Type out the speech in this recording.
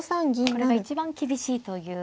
これが一番厳しいという。